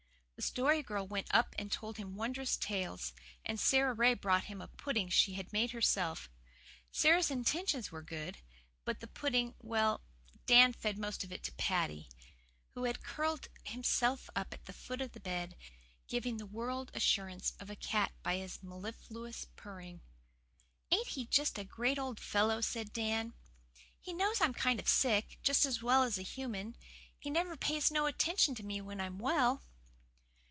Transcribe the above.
The Story Girl went up and told him wondrous tales; and Sara Ray brought him a pudding she had made herself. Sara's intentions were good, but the pudding well, Dan fed most of it to Paddy, who had curled himself up at the foot of the bed, giving the world assurance of a cat by his mellifluous purring. "Ain't he just a great old fellow?" said Dan. "He knows I'm kind of sick, just as well as a human. He never pays no attention to me when I'm well."